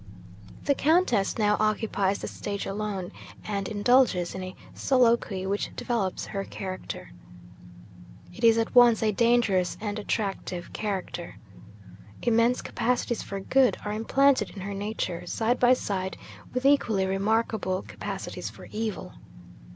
'The Countess now occupies the stage alone, and indulges in a soliloquy which develops her character. 'It is at once a dangerous and attractive character. Immense capacities for good are implanted in her nature, side by side with equally remarkable capacities for evil.